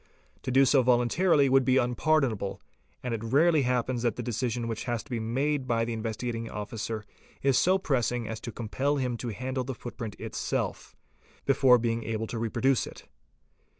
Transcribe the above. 'To do so voluntarily would be unpardonable, and it rarely happens that the decision which has to be made by the Investigating Officer is so pressing as to compel him to handle the footprint itself, before being able to reproduce it.